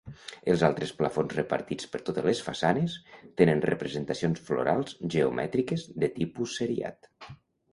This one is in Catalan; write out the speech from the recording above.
Els altres plafons repartits per totes les façanes, tenen representacions florals geomètriques de tipus seriat.